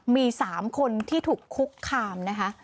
มี๓คนที่ถูกคุกคามนะคะ